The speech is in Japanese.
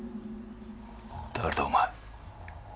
誰だお前。